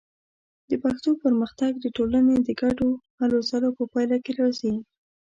د پښتو پرمختګ د ټولنې د ګډو هلو ځلو په پایله کې راځي.